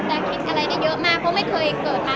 แต่คิดอะไรได้เยอะมากเพราะไม่เคยเกิดมา